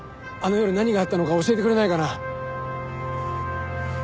あの夜何があったのか教えてくれないかな？